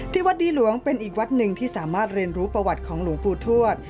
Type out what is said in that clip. วัดดีหลวงเป็นอีกวัดหนึ่งที่สามารถเรียนรู้ประวัติของหลวงปู่ทวด